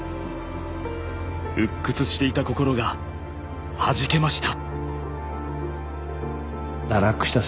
鬱屈していた心がはじけました。